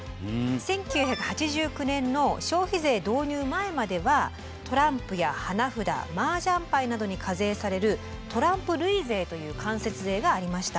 １９８９年の消費税導入前まではトランプや花札マージャンパイなどに課税される「トランプ類税」という間接税がありました。